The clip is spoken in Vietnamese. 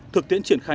thực tiễn triển khai